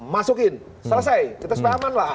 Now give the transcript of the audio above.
masukin selesai kita supaya aman lah